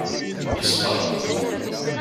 Yeṣber.